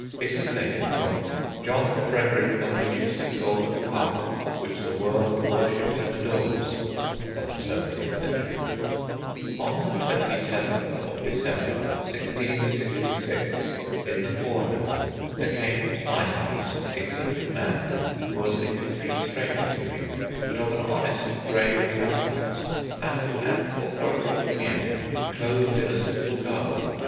It is taken from John Frederick Helvetius' Golden Calf, which the world worships and adores (17th century): "On the 27th December 1666, in the forenoon, there came to my house a certain man, who was a complete stranger to me, but of an honest grave countenance, and an authoritative mien, clothed in a simple garb....